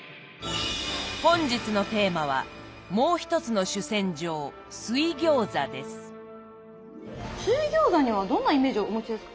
本日のテーマは水餃子にはどんなイメージをお持ちですか？